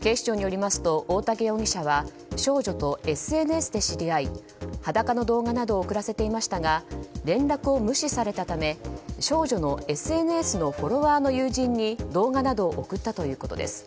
警視庁によりますと大竹容疑者は少女とＳＮＳで知り合い裸の動画などを送らせていましたが連絡を無視されたため少女のＳＮＳのフォロワーの友人に動画などを送ったということです。